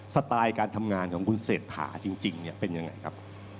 สไตล์การทำงานของคุณเศรษฐาจริงเป็นยังไงครับ